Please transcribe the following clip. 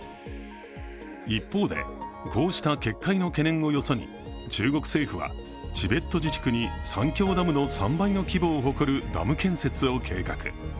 一方で、こうした決壊の懸念をよそに、中国政府はチベット自治区に、三峡ダムの３倍の規模を誇るダム建設を計画。